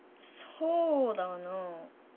そうだな。